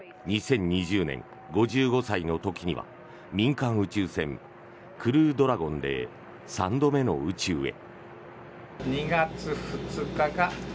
２０２０年、５５歳の時には民間宇宙船クルードラゴンで３度目の宇宙へ。